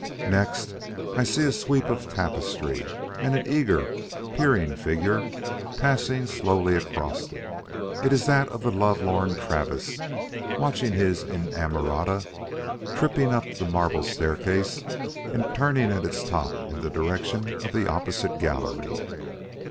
"Next, I see a sweep of tapestry, and an eager, peering figure passing slowly across it. It is that of the love lorn Travis watching his inamorata tripping up the marble staircase and turning at its top in the direction of the opposite gallery.